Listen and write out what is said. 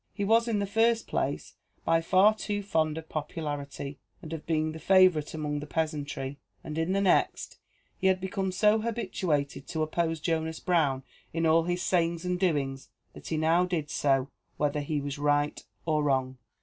He was, in the first place, by far too fond of popularity, and of being the favourite among the peasantry; and, in the next, he had become so habituated to oppose Jonas Brown in all his sayings and doings, that he now did so whether he was right or wrong.